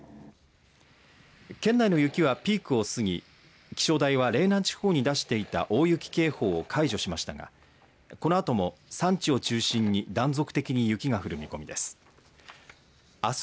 県内の雪はピークを過ぎ気象台は嶺南地方に出していた大雪警報を解除しましたがこのあとも山地を中心に断続的に雪が降る見込みです。